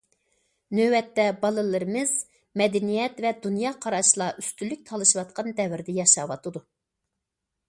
نۆۋەتتە بالىلىرىمىز مەدەنىيەت ۋە دۇنيا قاراشلار ئۈستۈنلۈك تالىشىۋاتقان دەۋردە ياشاۋاتىدۇ.